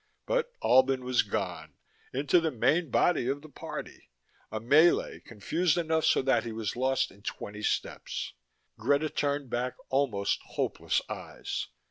But Albin was gone, into the main body of the party, a melee confused enough so that he was lost in twenty steps. Greta turned back almost hopeless eyes.